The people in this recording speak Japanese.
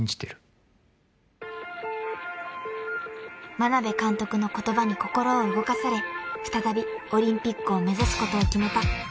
［眞鍋監督の言葉に心を動かされ再びオリンピックを目指すことを決めた井上選手］